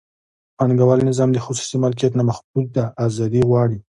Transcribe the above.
پانګوال نظام د خصوصي مالکیت نامحدوده ازادي غواړي.